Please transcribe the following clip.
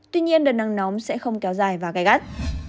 tuy nhiên đợt nắng nóng sẽ không kéo dài và gai gắt